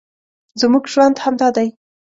زموږ ژوند همدا دی